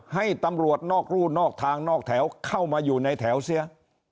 ให้ตำรวจนอกรู่นอกทางนอกแถวเข้ามาอยู่ในแถวเสีย